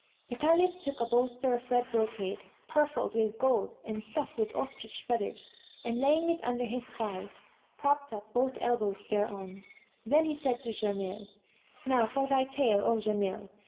The Caliph took a bolster of red brocade, purfled with gold and stuffed with ostrich feathers and, laying it under his thighs, propped up both elbows thereon; then he said to Jamil, "Now[FN#127] for thy tale, O Jamil!"